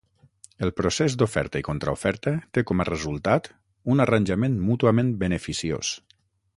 El procés d'oferta i contraoferta té com a resultat un arranjament mútuament beneficiós.